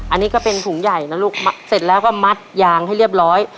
อันนี้ก็เป็นถุงใหญ่นะลูกเสร็จแล้วก็มัดยางให้เรียบร้อย